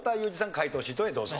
解答シートへどうぞ。